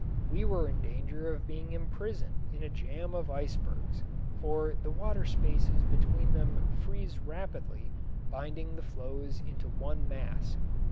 We were in danger of being imprisoned in a jam of icebergs, for the water spaces between them freeze rapidly, binding the floes into one mass.